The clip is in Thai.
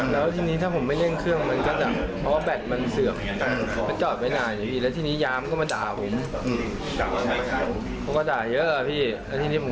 แล้วมันมองไม่เห็นพี่ตอนที่ผมต้องโดนอย่าง